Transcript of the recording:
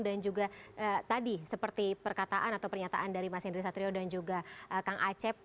dan juga tadi seperti perkataan atau pernyataan dari mas hendri satrio dan juga kang acep